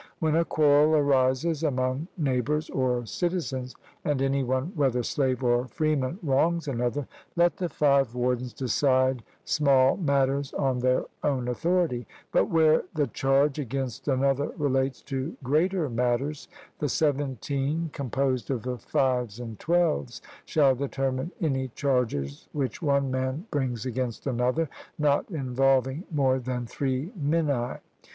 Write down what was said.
When a quarrel arises among neighbours or citizens, and any one whether slave or freeman wrongs another, let the five wardens decide small matters on their own authority; but where the charge against another relates to greater matters, the seventeen composed of the fives and twelves, shall determine any charges which one man brings against another, not involving more than three minae.